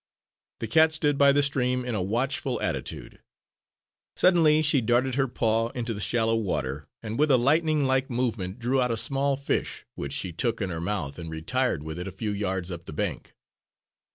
The cat stood by the stream, in a watchful attitude. Suddenly she darted her paw into the shallow water and with a lightning like movement drew out a small fish, which she took in her mouth, and retired with it a few yards up the bank.